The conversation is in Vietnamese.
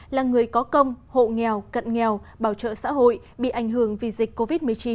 là người có công hộ nghèo cận nghèo bảo trợ xã hội bị ảnh hưởng vì dịch covid một mươi chín